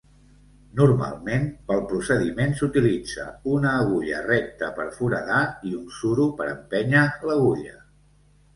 Normalment, pel procediment s'utilitza una agulla recta per foradar i un suro per empènyer l'agulla.